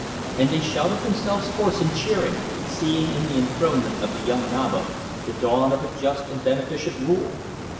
And they shouted themselves hoarse in cheering, seeing in the enthronement of the young Naba the dawn of a just and beneficent rule.